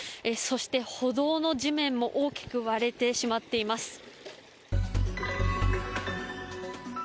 そして歩道の地面も大きく割れてしまっています。